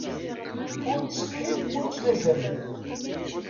Ur ttsethin ur ttlazamen.